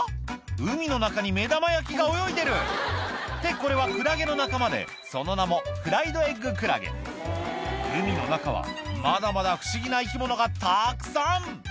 海の中に目玉焼きが泳いでるってこれはクラゲの仲間でその名も海の中はまだまだ不思議な生き物がたくさん！